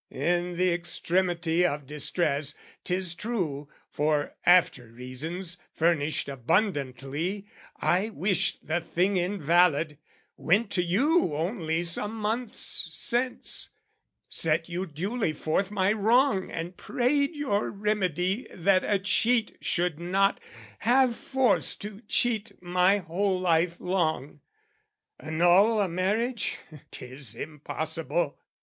In the extremity of distress, 'tis true, For after reasons, furnished abundantly, I wished the thing invalid, went to you Only some months since, set you duly forth My wrong and prayed your remedy, that a cheat Should not have force to cheat my whole life long. "Annul a marriage? 'Tis impossible!